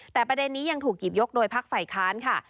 แต่ประเด็นนี้ยังถูกหยิบยกโดยพักฝ่ายค้านค่ะ